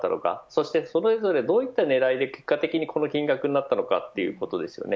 そして、それぞれどういった狙いで結果的にこの金額になったのかということです。